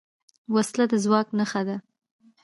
وسله د ځواک نښه ده